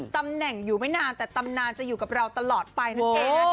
ตำแหน่งอยู่ไม่นานแต่ตำนานจะอยู่กับเราตลอดไปนั่นเอง